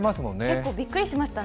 結構びっくりしましたね。